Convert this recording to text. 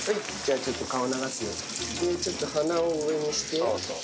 ちょっと鼻を上にして。